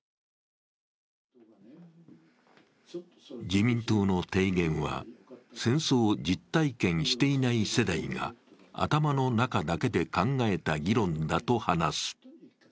自民党の提言は戦争を実体験していない世代が頭の中だけで考えた議論だと話す。